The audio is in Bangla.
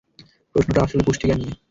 প্রশ্নটা আসলে পুষ্টিজ্ঞান নিয়ে।